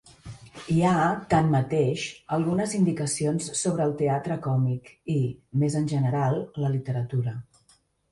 Hi ha, tanmateix, algunes indicacions sobre el teatre còmic i, més en general, la literatura.